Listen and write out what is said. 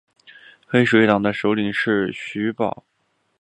黑水党的首领是徐保。